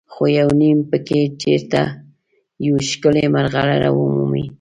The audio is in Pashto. خو یو نیم پکې چېرته یوه ښکلې مرغلره ومومي.